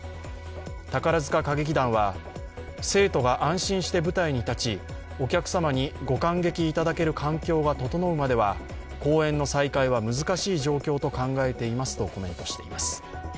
宝塚歌劇団は、生徒が安心して舞台に立ち、お客様にご観劇いただける環境が整うまでは公演の再開は難しい状況と考えていますとコメントしています。